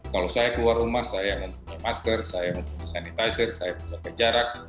kalau saya keluar rumah saya mempunyai masker saya mempunyai sanitizer saya menjaga jarak